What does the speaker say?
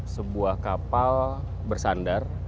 sebuah kapal bersandar